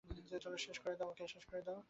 শেষ করে দাও ওকে!